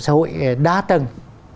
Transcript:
xã hội đa tầng